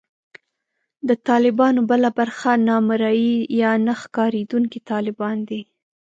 د طالبانو بله برخه نامرئي یا نه ښکارېدونکي طالبان دي